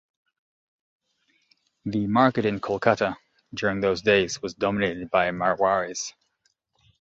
The market in Kolkata during those days was dominated by Marwaris.